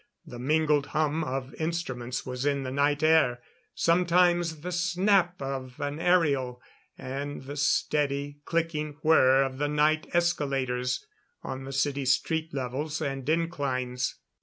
The mingled hum of instruments was in the night air; sometimes the snap of an aerial; and the steady, clicking whir of the night escalators on the city street levels and inclines.